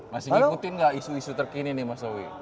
masih ngikutin gak isu isu terkini nih mas owi